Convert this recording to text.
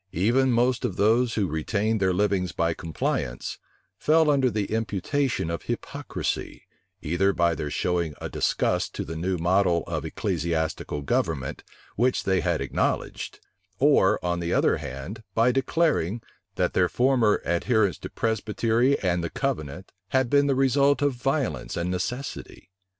Even most of those who retained their livings by compliance, fell under the imputation of hypocrisy, either by their showing a disgust to the new model of ecclesiastical government which they had acknowledged; or, on the other hand, by declaring, that their former adherence to Presbytery and the covenant had been the result of violence and necessity.